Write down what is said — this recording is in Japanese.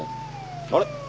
あれ？